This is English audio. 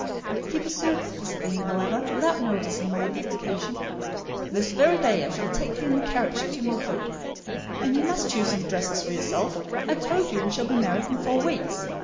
He pursued his theme, however, without noticing my deprecation. "This very day I shall take you in the carriage to Millcote, and you must choose some dresses for yourself. I told you we shall be married in four weeks.